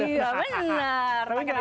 pakai nama sendiri